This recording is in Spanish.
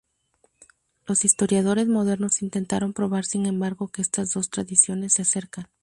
Los historiadores modernos intentaron probar sin embargo que estas dos tradiciones se acercan.